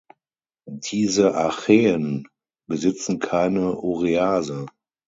Diese Archaeen besitzen keine Urease.